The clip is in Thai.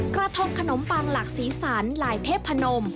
กระทงขนมปังหลักสีสันลายเทพนม